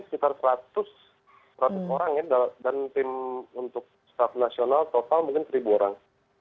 sekitar seratus seratus orang ya dan tim untuk staff nasional total mungkin seribu orang